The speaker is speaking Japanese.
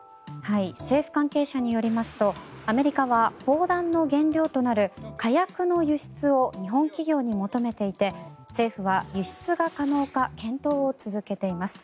政府関係者によりますとアメリカは砲弾の原料となる火薬の輸出を日本企業に求めていて政府は輸出が可能か検討を続けています。